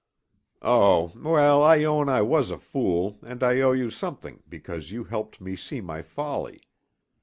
"Oh, well, I own I was a fool and I owe you something because you helped me see my folly.